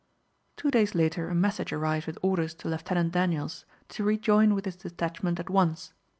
Two days later a message arrived with orders to Lieutenant Daniels to rejoin with his detachment at once.